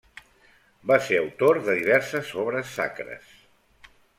Va ser autor de diverses obres sacres.